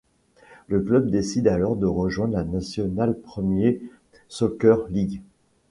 Le club décide alors de rejoindre la National Premier Soccer League.